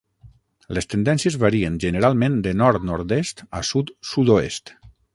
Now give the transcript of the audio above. Les tendències varien generalment de nord/nord-est a sud/sud-oest.